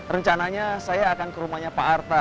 rencananya saya akan ke rumahnya pak arta